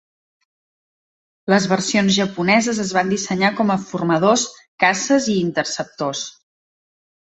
Les versions japoneses es van dissenyar com a formadors, caces i interceptors.